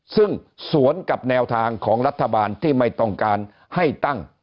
ซึ่งสวนกับแนวทางของรัฐบาลที่ไม่ต้องการให้ตั้ง